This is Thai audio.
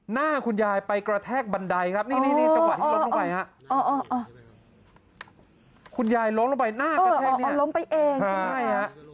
หน้าคุณยายไปกระแทกบันไดครับคุณยายล้มลงไปหน้ากระแทกเนี่ย